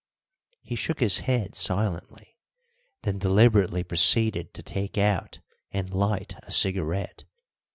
He shook his head silently, then deliberately proceeded to take out and light a cigarette.